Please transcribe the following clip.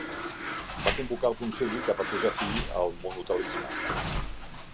Va convocar el concili que va posar fi al monotelisme.